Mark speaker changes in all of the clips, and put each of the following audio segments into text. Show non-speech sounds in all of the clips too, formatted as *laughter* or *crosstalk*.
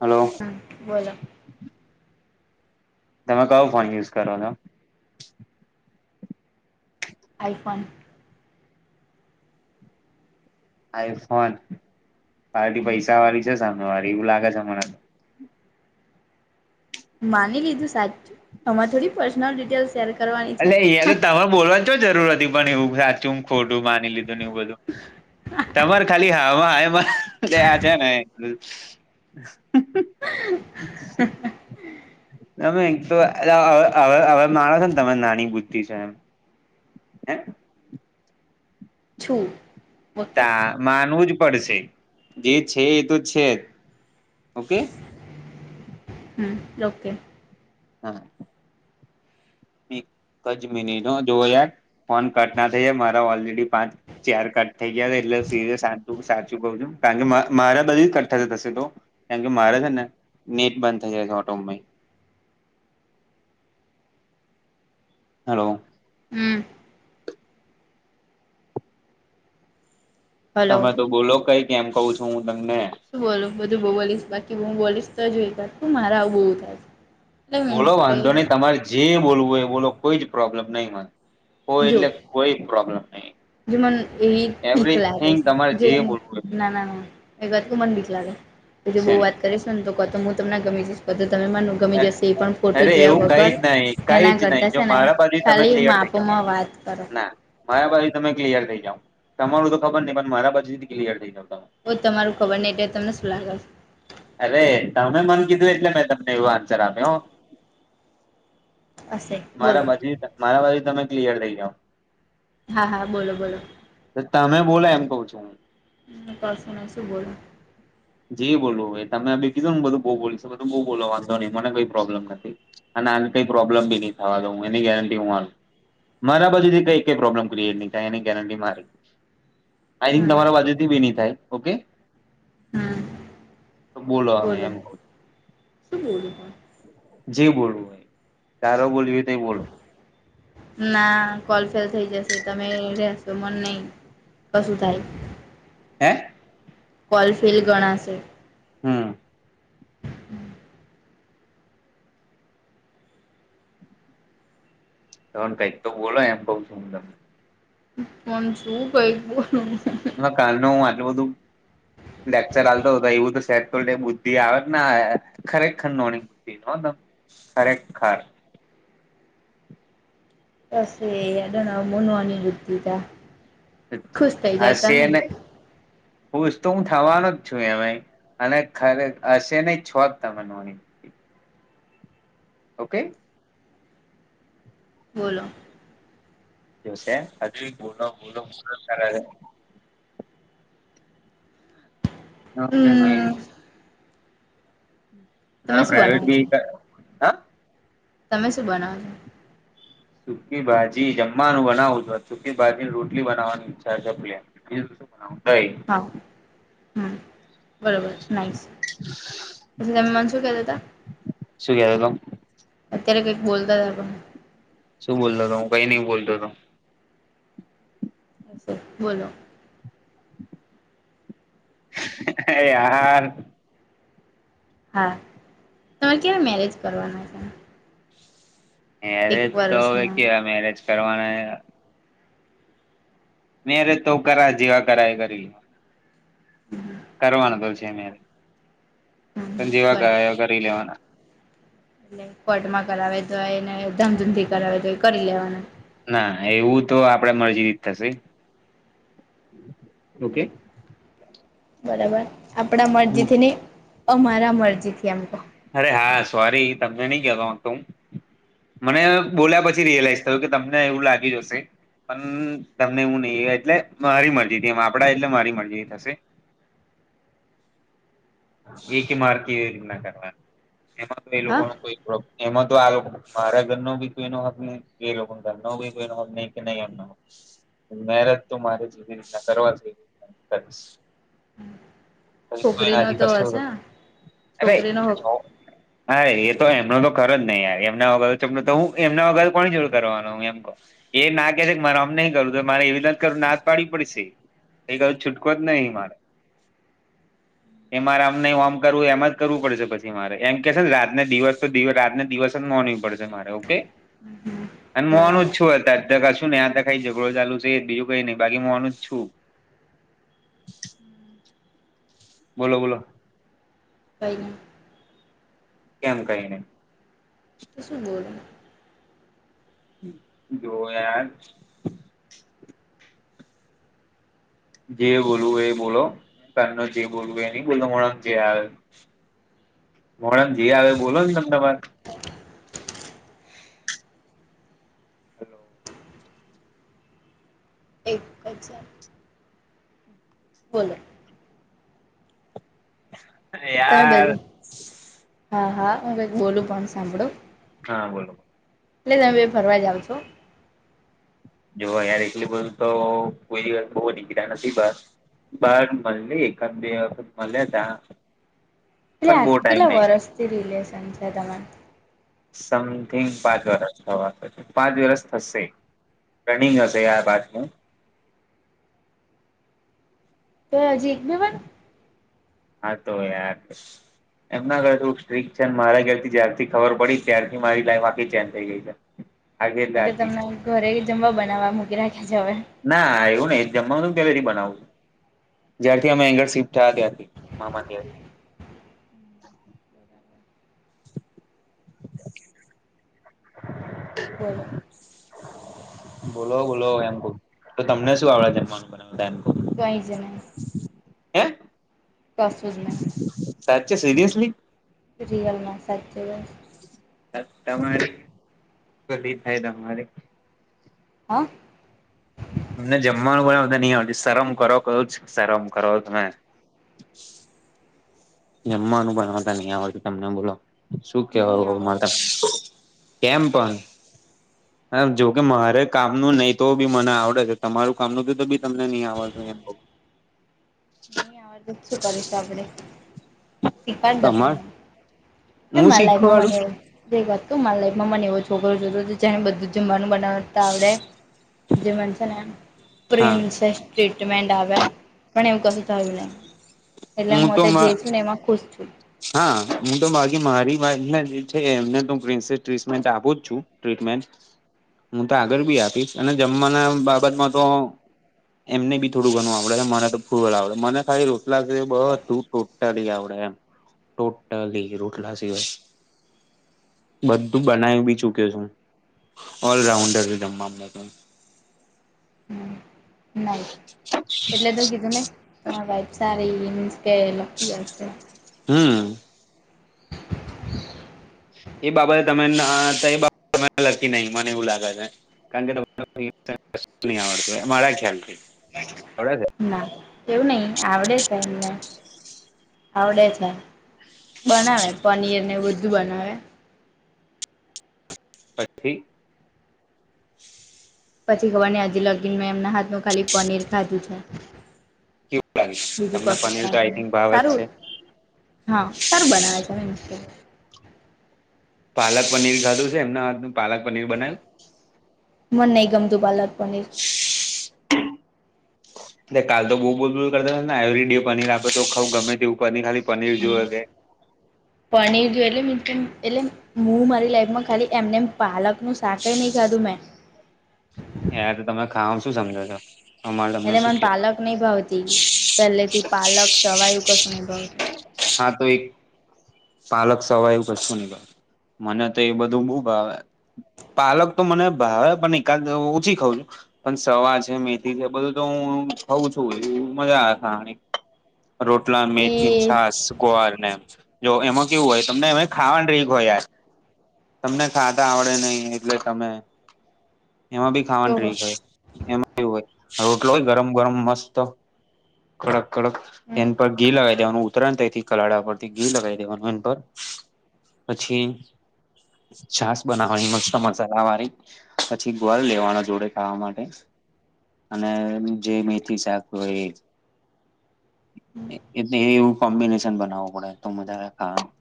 Speaker 1: Hello.
Speaker 2: હમ બોલો.
Speaker 1: તમે કયો ફોન યુઝ કરો છો?
Speaker 2: આઈફોન.
Speaker 1: આઈફોન પાર્ટી પૈસા વાળી છે સામે વાળી એવું લાગે છે મને તો
Speaker 2: માની લીધું સાચું અરે થોડી પર્સનલ ડિટેલ શેર કરવાની છે.
Speaker 1: એ તો તમાર બોલવાની છો જરૂર હતી પણ એવું સાચું હું ખોટું માની લીધું ને એવું બધું તમારે ખાલી હામાં હામાં છે ને *inaudible* તમે એક તોવે હવે માણો છો ને ત નાની બુદ્ધિ છો એમ
Speaker 2: છું ઓકે
Speaker 1: તા માનવું જ પડશે જે છે એ તો છે જ ઓકે.
Speaker 2: હમ ઓકે.
Speaker 1: હા. એક જ મિનિટ જો યાર ફોન કટ ના થઈ જાય મારા ઓલરેડી પાંચ ચાર કટ થઈ ગયા એટલે સું સાચું ક છું કારણ કે મારા બધી જ કટ થશે તો કેમ કે મારે છે ને નેટ બંધ થઈ જાય છે ઓટોમેટિક હેલો.
Speaker 2: *unintelligible* હલો
Speaker 1: તમે તો બોલો કઈ કેમ કવ છો હું તમને.
Speaker 2: શું બોલો બધું બોલીશ બાકી બું બોલીશ તો જોઈ મારા આવું બવુ થાય. એટલે
Speaker 1: બોલો
Speaker 2: મીન્સ કે
Speaker 1: વાંધો નહી તમારે જે બોલવું હોય એ બોલો કોઈ જ પ્રોબ્લેમ નહીં. કોઈ
Speaker 2: જો
Speaker 1: એટલે કોઈ પ્રોબ્લેમ નહી.
Speaker 2: જે મ એ બીક લાગ
Speaker 1: એવરીથીંગ તમારે
Speaker 2: છે જે
Speaker 1: બોલવું
Speaker 2: ના ના ના. એક વાત તો મન બીક લાગે પી
Speaker 1: હોય
Speaker 2: બઉુ વાત કરીશ ને તો ક તો હું તમને ગમી જઈશ ક તો તમે માન
Speaker 1: છે
Speaker 2: ગમી જશે એ પણ ફોટો
Speaker 1: અરે
Speaker 2: જોયા
Speaker 1: એવું કઈ
Speaker 2: વગર
Speaker 1: જ નહી કઈ
Speaker 2: એના
Speaker 1: જ નહી
Speaker 2: કરતા
Speaker 1: જો
Speaker 2: છે ને
Speaker 1: મારા બાજુ તમે
Speaker 2: ખાલી
Speaker 1: ક્લિયર
Speaker 2: માપ
Speaker 1: થઈ જાવ
Speaker 2: મા વાત કરો.
Speaker 1: ના મારા બાજુથી તમે ક્લિયર થઈ જાવ તમારું તો ખબર નહી પણ મારા પછી થી ક્લિયર થઈ જાવ તમે.
Speaker 2: ઓ તમાર ખબર નય એટલે તમને શું લાગે.
Speaker 1: અરે તમે મન કીધું એટલે મેં તમને એવું આન્સર આપ્યો.
Speaker 2: હશે
Speaker 1: મારા
Speaker 2: બોલો
Speaker 1: બા મારા બાજુથી તમે ક્લિયર થઇ જાવ.
Speaker 2: હા હા બોલો બોલો
Speaker 1: તમે બોલો એમ કવ છું હું.
Speaker 2: કશું નય શું બોલું.
Speaker 1: જે બોલવુ હોય તમે કીધું ને બધું બહુ બોલીશ બધ બુ બોલો વાંધો નહીં મને કઈ પ્રોબ્લેમ નથી. અને આ કઈ પ્રોબ્લમ બી નહી થવા દ હું એની ગેરંટી હું આલુ. મારા બાજુથી કઈ કઈ પ્રોબ્લેમ ક્રિએટ નય થાય એની ગેરટી મારી. આઈ થિક
Speaker 2: હા
Speaker 1: તમારા બાજુથી બી નય થાય ઓકે.
Speaker 2: હમ્મ
Speaker 1: તો બોલો હ એમ કહુ છુ
Speaker 2: શુ બોલુ પણ
Speaker 1: જી બોલવું દારો બોલ તો બોલવ
Speaker 2: ના કોલ ફેલ થઈ જશે તમે રહેશો મને નહી તો શુ થાય
Speaker 1: હે
Speaker 2: ફોલ ફિલ ગણાશે
Speaker 1: હમ્મ તો કઈક તો બોલો એમ કઉ છું હું તમને
Speaker 2: કોન છું કઈ બો
Speaker 1: એમાં કાલ નુ આટલું બધું લેકચર ચાલતો એવું તો શેરલ બુદ્ધિ આવે ખરેખ ખં નની ખરેખર
Speaker 2: બસ એદ ન મોનુંની રુદ્ધિ ત
Speaker 1: હશેને ખુશ તો હું થવાનો જ છું એમાં અને ખરે હશે નહી છોજ તને નોની ઓકે
Speaker 2: બોલો
Speaker 1: દિવસે *unintelligible* ન ભાઈ
Speaker 2: હમ તમે
Speaker 1: નાા
Speaker 2: શું
Speaker 1: પ્રાઈવેટ
Speaker 2: બનાવો છો
Speaker 1: બી હા
Speaker 2: તમે શું બનાવ છો
Speaker 1: સુકી ભાજી જમવાનું બનાવું જો સુકી ભાજીની રોટલી બનાવાની ઈચ્છા છે બઈ
Speaker 2: હ હમ્મ બરોબર નાઈશ તેમ મેન શું કેતા હતા
Speaker 1: શું કેતો તો
Speaker 2: અત્યારે કંઈક બોલતા હતા પણ
Speaker 1: શું બોતો હતો હું કઈ ન બોલતો હતો
Speaker 2: બોલો
Speaker 1: એ આ
Speaker 2: હા તમારે કયારે મેરેજ કરવાના છે એક
Speaker 1: મેરેજ તો હવે
Speaker 2: વર્ષમાં
Speaker 1: કેવાય મેરેજ કરવાના અરે તો કરા જેવા કરાય એ કરી
Speaker 2: હમ્મ
Speaker 1: કરવાનું તો છે
Speaker 2: હમ
Speaker 1: પણ
Speaker 2: બરાબર
Speaker 1: જેવા કરી લેવાના
Speaker 2: એટલે કોર્ટમાં કરાવે તો હોય ને ધામધમથી કરાવે તો હોય કરી લેવાનું
Speaker 1: ના એવું તો આપડે મરજી ર જ થશે ઓકે
Speaker 2: બરાબર આપડા મરજીથીની અમારા મરજીથી એમ તો
Speaker 1: અરે હા સોરી તમને નહીં કતો ત મને બોલ્યા પછી રિયલાઈઝ થયું કે તમને એવું લાગી જશે પણ તમને એવુ નહી એ એટલે મારી મરજીથી એમ આપડા એટલે મારી મરજી થશે એક કે માર્કી ના કરવા એમાં તો એ લોકો
Speaker 2: હા
Speaker 1: ન કોઈ એમાં તો આ મારા ઘર ન બી કોઈનો હક નહી એ લોકો કોઈહી કે નઈ અ મહેનત તો મારે જેવી રીતના કરવા જોઈએ ર કરી
Speaker 2: છોકરીનો તો
Speaker 1: કશું
Speaker 2: હશે
Speaker 1: અરે
Speaker 2: છોકરીનો
Speaker 1: જો હા એ તો એમનો તો ખર જ નહી એમ તો હું એમના વગર કો જોડું કરવાનો હું એમ એ ના કે છે કે મારે અમ નોઈ કરું, ત મારે એવી રીતે જ કરું ના જ પાડવી પડશે. એ ક છૂટકો જ નઈ મારે. એ મારે આમ નઈ ઓમ કરવું એમ જ કરવું પડેશે પછી. મારે એમ કે સે ને રાતને દિવસ તો દિ રાતને દિવસ જ મોનવી પડશે મારે, ઓકે.
Speaker 2: હમ
Speaker 1: અને મોનું જ
Speaker 2: બરાબર
Speaker 1: છું. અત્યારે ત કશું ને આ ત કઈ ઝઘડો ચાલુ છે, બીજું કઈ નઈ બાકી મોનું જ છું. બોલો બોલો.
Speaker 2: કઈને.
Speaker 1: કેમ કઈ નઈ.
Speaker 2: તો શું બોલ?
Speaker 1: જો યાર. જે બોલવું એ બોલો તાન જે બોલવું એ ની બોલ અમણા જે આ મોડમ જે આવે એ બોલો ને તમ તમારે. હલો
Speaker 2: એક અજાર. બોલો. તમે
Speaker 1: યાર
Speaker 2: બધાય. હા, હા હું બોલું પન સાંભળો.
Speaker 1: હા બોલો
Speaker 2: એલે તમે બે ફરવા જાવ છો.
Speaker 1: જો અઈયા એટલી બધું તો કોઈ બઉ જ દિ નસીબદાર. બાર મળલી એકાદ બે વખત મલે તા.
Speaker 2: એલે
Speaker 1: પણ
Speaker 2: આ
Speaker 1: બહુ ટાઈમ
Speaker 2: કેટલા
Speaker 1: નહી
Speaker 2: વરસથી રિલેસન છે તમાર.
Speaker 1: સમથિંગ પાંચ વરસ થવા, પાંચ વરસ થશે. રનિંગ હશે, યાર બાતનુ.
Speaker 2: બે હજી એક બી પન.
Speaker 1: હા તો યાર. એમના ઘરે તો સ્ટ્રિક છેન. મારા ઘરથી જ્યારથી ખબર પડી ત્યારથી મારી લાઈફ આખી ચેન્જ થઈ ગઈ. હ
Speaker 2: એટલે તમને ઘરે જમવા બનાવવા મૂકી રાખે છે હવે.
Speaker 1: ના એવું નઈ જમવાનું પેલેથી બનાવું. જ્યારથી અમે એંગળ શિફ્ટ થયા ત્યાંથી મામા ન તાથી. *unintelligible*
Speaker 2: બોલો.
Speaker 1: બોલો બોલો, એમ કવ તો તમને શું આવડે મન બનાવતા એમ.
Speaker 2: કઈ જ નઈ.
Speaker 1: હે
Speaker 2: કશું જ નહી
Speaker 1: સાચે સિરિયસલી.
Speaker 2: રિયલમાં સાચે બસ.
Speaker 1: તમારી ખલી થાય તમારી
Speaker 2: હ.
Speaker 1: અમને જમવાનું બનાવતા નઈ આવતી, સરમ કરો કુછ સરમ કરો તમે. જમવાનું બનાવાતા નઈ આવયતુ તમને બોલો. શું
Speaker 2: નહી
Speaker 1: કેવાવુ અવે
Speaker 2: આવડે
Speaker 1: મારે? કેમ પન? હા જોકે મારે કામનું નઈ તો બી મને આવડે છે, તમારુ કામનું તો બી તમને નઈ આવતુ એમ કવ.
Speaker 2: નઈ આવડતુ તો શું કરીસુ આપડે, સિખવાડ દો
Speaker 1: તમાર
Speaker 2: તમે. એ
Speaker 1: હું
Speaker 2: માય લાઈફમાં મને
Speaker 1: શીખવાડું
Speaker 2: એવું એક વાત તો માય લાઈફમાં મને એવો છોકરો જોતો તો છે, જેને બધું જમવાનું બનાવતા આવડે. જે મન છે ને.
Speaker 1: હા
Speaker 2: પ્રિન્સેસ ટ્રીટમેન્ટ આવે, પણ એવું કશું થયુ નઈ. એટલે મ
Speaker 1: હું તો
Speaker 2: તે જે છું ને એમાં ખુશ છું.
Speaker 1: હા હું તો બાકી મારી વાતને જે છે, એમને તો પ્રિન્સેસ ટ્રીસમેન્ટ આપું જ છું. ટ્રીટમેન્ટ હું તો આગળ બી આપીશ અને જમવાના બાબતમાં તો એમને બી થડું ઘણુ આવડે છે મને તો ફૂ આવડે મને ખાલી રોટલા સિવાય બધું ટોટલી આવડે એમ ટોટલી રોટલા સિવાય બધું બનાવી બી ચુક્યો છું ઓલરાઉન્ડર જમવામાં તો
Speaker 2: નાઇસ એટલે તો કીધું ને તમારી વાઇફ સારી મીન્સ કે લકી હશે
Speaker 1: હમ
Speaker 2: *inaudible*
Speaker 1: એ બાબતે તમે *unintelligible* લકી નહી મને એવું લાગે છે *inaudible* ની આવડતું મારા ખ્યાલ આવડે છે
Speaker 2: ના એવું નહિ આવડે છે એમને આવડે છે બનાવે પનીર ને બધું બનાવે
Speaker 1: પછી
Speaker 2: પછી ખબર ની હજી લગીને મેં એમના હાથ ણુ ખાલી પનીર ખાધું છે
Speaker 1: કેવું લાગે
Speaker 2: બીજું
Speaker 1: તમને
Speaker 2: કશું
Speaker 1: પનીર તો
Speaker 2: ખાધુ
Speaker 1: આઈ થિંક ભાવ જ
Speaker 2: સારું
Speaker 1: છે
Speaker 2: હા સારું બનાવે છે પન છે
Speaker 1: પાલક પનીર ખાધું છે એમના હાથ નું પાલક પનીર બનાવ્યું
Speaker 2: મને નહીં ગમતું પાલક પનીર
Speaker 1: કાલ તો બહુ બોલ બોલ કરતા ને એવરી ડે પનીર આપે તો ખાઉ ગમે તેવું પનીર ખાલી પનીર જોએ કે
Speaker 2: પનીર ગયું એટલે મી એટલે હું મારી લાઈફમાં ખાલી એમને પાલક નું શાક ની ખાધું મેં
Speaker 1: ય તો તમે ખાઓ શું સમજો છો અમારે તમને
Speaker 2: એટલે
Speaker 1: શું
Speaker 2: મને
Speaker 1: કેવું
Speaker 2: પાલક ની ભાવતી પહેલેથી પાલક સવાયું કસ ની ભાવતી
Speaker 1: હા તો એક પાલક સવા એવુ કશું ની ભાવે મને તો એ બધું બો ભાવે પાલક તો મને પણ એકાદ ઓછી ખઉં છું પણ સવા છે મેથી છે બધું તો હું ખઉં છું એવ મજા આવે ખાવાની રોટલા મેથી છાસ ગોવારને જો એમાં કેવું હોય તમને એમે ખાવાનું ટ્રીક હોય યાર તમને ખાતા આવડે નહી એટલે તમે એમાં બી
Speaker 2: એ
Speaker 1: ખાવાનું
Speaker 2: ઓહો
Speaker 1: ટ્રીક હોય એમાં એવું હોય રોટલો હોય ગરમ ગરમ મસ્ત કડક કડક તેની પર ઘી લગાવી દેવાનું ઉતરાયણ થઈથી કલાડા પરથી ઘી લગાવી દેવાનું એન પર પછી છાસ બનાવાની મસ્ત મસાલાવારી પછી ગોલ લેવાના જોડે ખાવા માટે અને જે મેથી શાક હોય એટલે એવું કોમ્બિનેશન બનાવવું પડે તો મજા આવે ખાવાની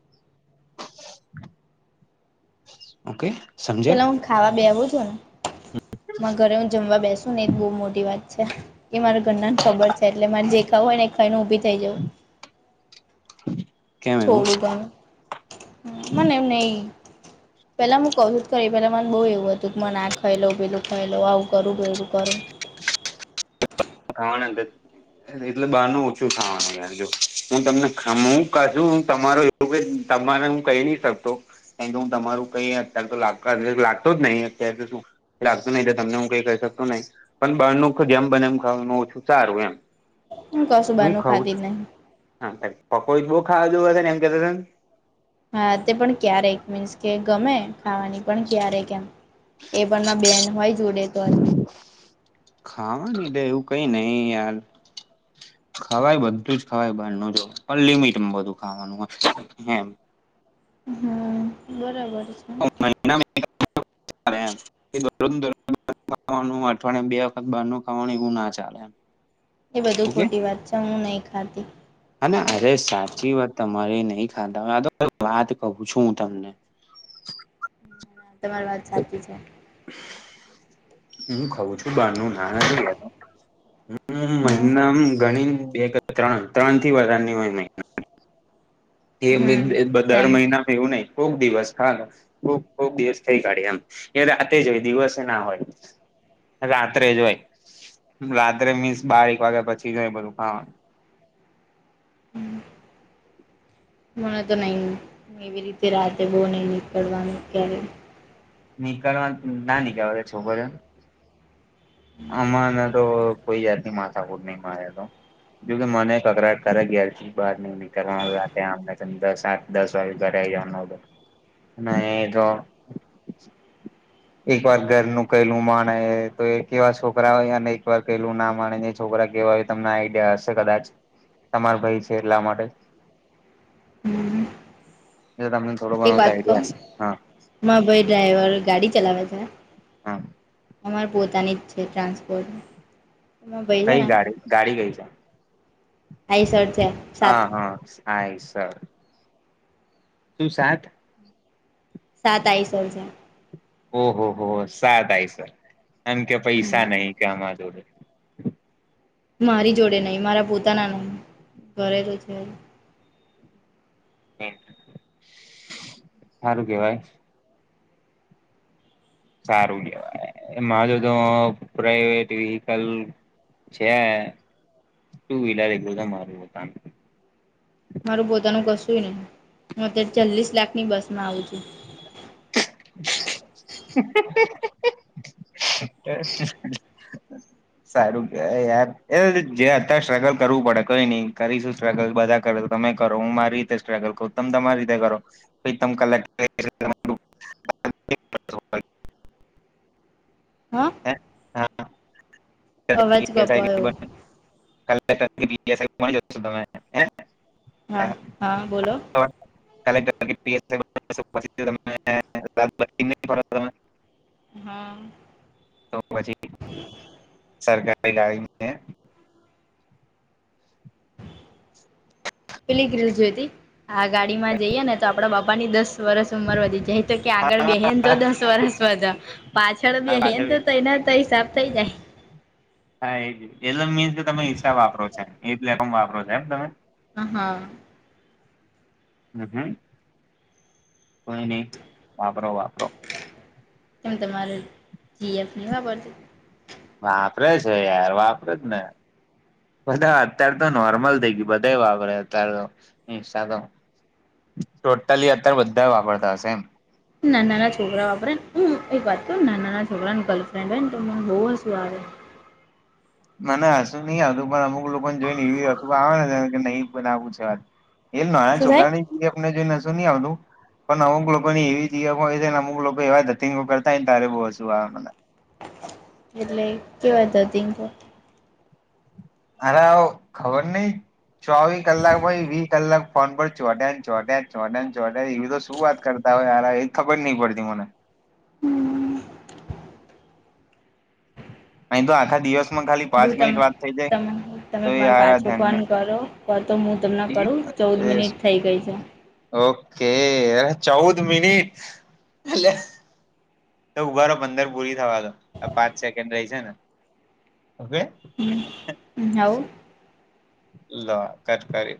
Speaker 1: ઓકે સમજે
Speaker 2: પેલા હું ખાવા બેવું છો ને મા ઘરે હું જમવા બેસુ ને એ બહુ મોટી વાત છે એ મારા ઘરના ખબર છે એટલે મારે જે ખાવું હોય ને ખાઈ ને ઊભી થઈ જવું
Speaker 1: *inaudible*
Speaker 2: છોડું ઘનું હ મને એમ નહીં પેલા હું કઉ છું જ કરી પેલા મને બહુ એવું હતું કે મને આ ખાઈલઉ પેલુ ખાઈ લઉં આવું કરું પેલુ કરું
Speaker 1: *unintelligible* એટલે બહાર નું ઓછું ખાવાનું હું તમને કાછુ તમારો તોકે તમારે હું કહી નઈ શકતો કારણે કે હું તમારું કઈ અત્યાર તો લાગ લાગતો જ અત્યારે તો શું લાગતું નહી તો તમને હું કઈ કહી શકતો નહી પણ બાર નું જેમ બને એમ ખાવાનું ઓછું સારું એમ
Speaker 2: કશું
Speaker 1: હું
Speaker 2: બાનું
Speaker 1: ખઉ
Speaker 2: ખાતી
Speaker 1: છું
Speaker 2: જ નહી
Speaker 1: *unintelligible*
Speaker 2: હા તે પણ ક્યારે મીન્સ કે ગમે ખાવાની પણ ક્યારે ક એમ એ પણ ના બેન હોય જોડે તો આજ
Speaker 1: ખાવાની દે એવું કઈ નહી યાર ખવાય બધું જ ખવાય બારનું જો પણ લિમિટમાં બધું ખાવાનું એમ
Speaker 2: હા બરાબર છે.
Speaker 1: વા અઠવાડિયે બે વખત બારનું ખાવાનું એવું ના ચાલે એમ
Speaker 2: એ બધું ખોટી વાત છે. હું નહી ખાતી.
Speaker 1: હાને અરે સાચી વાત તમારી નહી ખાતા હો આ વાત કહું છું. હું તમને.
Speaker 2: તમારી વાત સાચી છે.
Speaker 1: હ ખઉું છું.
Speaker 2: હમ
Speaker 1: ના હ મહિમ ગણી બે કે ત્રણ ત્રણ થી વધારની હોય મહિ એ
Speaker 2: હમ
Speaker 1: દર
Speaker 2: સેમ
Speaker 1: મહિનામાં એવું નહી કોક દિવસ હાલે. ખુબ ખુબ દિવસ થઈ કાઢી એમ આતે જ હોય દિવસે ના હોય. રાત્રે જોય રાત્રે મીન્સ બારક વાગ્યા પછી જોય બધું ખાવાનું
Speaker 2: મને તો નહી એવી રીતે રાતે બહુ નહી નીકળવાનું ક્યારે.
Speaker 1: નીકળવા ના નીકળવા છોકરી? આમાંને તો કોઈ જાતની માથાપટ નહી મારે્યા તો જો કે મને કકરાટ કર ગયા છે. બહાર નઈ નીકળવા આવ ત્યાંને ત દસ સાત દસ વાગે ઘરે આવી જવાનો ના એ તો એક વાર ઘરનું કલું માણે તો એક એવા છોકરા હોય અને એક વાર કલું ના માણે છોકરા કેવા હોય. તમને આઈડિયા હશે કદાચ તમાર ભાઈ છે એટલા માટે
Speaker 2: હમ
Speaker 1: જો તમને થોડો
Speaker 2: એક
Speaker 1: ઘણો તો
Speaker 2: વાત ક
Speaker 1: આઈડિયા હશે. હા
Speaker 2: ભાઈ ડ્રાઈવર ગાડી ચલાવે છે.
Speaker 1: હા
Speaker 2: અર પોતાની છે ટ્રાન્સપોર્ટ. એમાં ભાઈ છે
Speaker 1: નહી
Speaker 2: ને
Speaker 1: ગાડી ગાડી ગઈ છે?
Speaker 2: આઈ શર્ટ છે. સાત
Speaker 1: હા હા સરસ. શું સાત
Speaker 2: સાત આ આવીસો હ છે.
Speaker 1: ઓહો હો સા થાય સર આમ કે
Speaker 2: હમ
Speaker 1: પૈસા નહી કે આમા જોડે.
Speaker 2: મારી જોડે નહીં. મારા પોતાના નહી ઘરે તો છે.
Speaker 1: સારું કેવાય. સારું કેવાય? એ મા જો તો પ્રાઈવેટ વ્હીકલ. છે ટુ વ્હીલર એું તમારુંતાનું.
Speaker 2: મારું પોતાનું કશુંય ને હું અત્યારે ચાલીસ લાખ ની બસ માં આવું છું.
Speaker 1: સારું યાર એ જે અત્યારે સ્ટ્રગલ કરવું પડે કોઈ નઈ કરીશું સ્ટ્રગલ બધા કરે. તમે કરો હું મારી રીતે સ્ટ્રગલ કું તમે તમારી રીતે કરો પ ત કલા
Speaker 2: હા
Speaker 1: હ હા
Speaker 2: અવાજ કપાયો
Speaker 1: છો તમે
Speaker 2: હા હા બોલો
Speaker 1: હ હ *unintelligible* ભ તને
Speaker 2: હા
Speaker 1: તો પછી સરકારી ગડી ને
Speaker 2: પીલી કલર જોઈ હતી આ ગાડીમાં જઈએે ને તો આપડા બાપા ની દસ વર્ષ ઉંમર વધી જાય તો કે આગળ બેહે ને તો દસ વરસ વધા પાછળ
Speaker 1: હા
Speaker 2: બેહે ને
Speaker 1: પાછળ
Speaker 2: તો
Speaker 1: બે-
Speaker 2: તયના તેના હિસાબ થઇ જાય
Speaker 1: હા એ જ એનો મીન્સ જો તમે ઇન્સ્ટા વાપરો છે એ લેકમ વાપરો છે એમ તમે
Speaker 2: હ હા
Speaker 1: હમ્મ, હમ્મ કોઈ નહી વાપરો વાપરો
Speaker 2: તેમ તમારે જીએફ નહી વાપરતી
Speaker 1: વાપરે છે યાર વાપરે જ ને બધા અત્યારે તો નોર્મલ થઈ ગયું બધા વાપરે અત્યારે તો ઇન્સ્ટાગ્રામ ટોટલી અત્યારે બધા વાપરતા હશે એમ
Speaker 2: નાનાના છોકરા વાપરે હું એક વાત કહું નાનાના છોકરાને ગર્લફ્રેન્ડ હોય ને તો મને બહુ હસું આવે
Speaker 1: મને હશું નહી આવતું પણ અમુક લોકોને જોઈ ને એવી હસું આવે ને કે નહી બનાવું *unintelligible* એ નાયા
Speaker 2: શું થાય
Speaker 1: છોકરાની જીએફ ને જોઈન હસું નહી આવતું પણ અમુક લોકો ની એવી જી એફ હોય છે ને અમુક લોકો એવા દતીંગ કરતાયને ત્યારે બહુ હશું આવે મને
Speaker 2: એટલે કેવા ધતિંગા
Speaker 1: હરાવો ખબર નઈ ચોવીસ કલાક પાઈ વી કલાક ફોન પર ચોઢ્યાને ચોઢ્યા ચોઢ્યાને ચોઢ્યા એવી તો શું વાત કર કરતા હોય હરાવો એજ ખબર નહ પડતી મને નહી તો આખા દિવસ
Speaker 2: જો તમે તમે પણ તમે
Speaker 1: તો
Speaker 2: પણ
Speaker 1: યાર
Speaker 2: પાછો ફન
Speaker 1: ધન્ય
Speaker 2: કરો. કટ મ્યૂટ ના કરું ચૌદ મિનિટ થઇ ગઈ છે
Speaker 1: ઓકે એલા ચૌદ મિનિટ લે. તો ઉભારો પંદર પૂરી થવા દો આ પાંચ સેકન્ડ રહી છે ને અવે
Speaker 2: હમ, *inaudible*
Speaker 1: લા કટ કરી